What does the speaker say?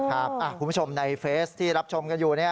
คุณผู้ชมในเฟสที่รับชมกันอยู่